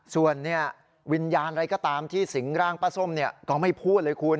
ส่วนวิญญาณอะไรก็ตามที่สิงร่างป้าส้มก็ไม่พูดเลยคุณ